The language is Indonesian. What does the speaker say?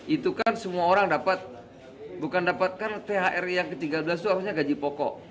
itu kan semua orang dapat bukan dapatkan thr yang ke tiga belas itu harusnya gaji pokok